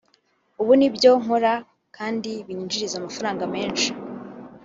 ubu nibyo nkora kandi binyinjiriza amafaranga menshi